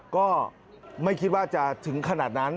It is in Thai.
ก็ไม่คิดว่าจะถึงขนาดนั้น